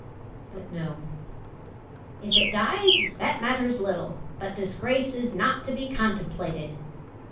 But no: "If it dies, that matters little; but disgrace is not to be contemplated."